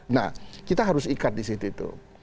nah kita harus ikat di situ tuh